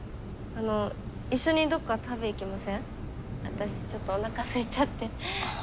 私ちょっとおなかすいちゃって。